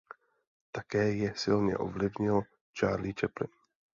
Také je silně ovlivnil Charlie Chaplin.